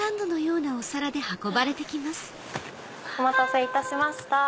お待たせいたしました。